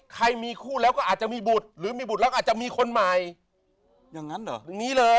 ใครมีคู่อาจจะมีบุตรหรืออาจมีบุตรเจ้าอาจจะมีคนใหม่